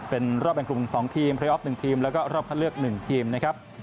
เป็นรอบแบ่งกลุ่ม๒ทีมเรียออฟ๑ทีมแล้วก็รอบคัดเลือก๑ทีมนะครับ